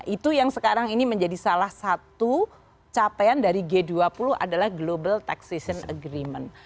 itu yang sekarang ini menjadi salah satu capaian dari g dua puluh adalah global taxation agreement